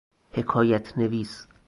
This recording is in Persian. حکایت نویس